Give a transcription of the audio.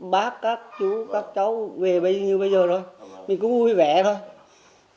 bác các chú các cháu về như bây giờ thôi mình cũng vui vẻ thôi